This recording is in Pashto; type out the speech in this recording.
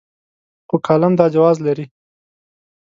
خو کالم دا جواز لري.